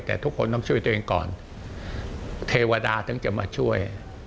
แต่ทุกคนต้องช่วยตัวเองก่อนเทวดาถึงจะมาช่วย